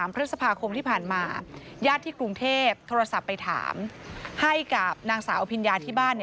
พฤษภาคมที่ผ่านมาญาติที่กรุงเทพโทรศัพท์ไปถามให้กับนางสาวอภิญญาที่บ้าน